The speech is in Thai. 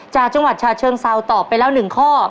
จากจังหวัดฉาเชิงเซาต่อไปแล้วหนึ่งข้อ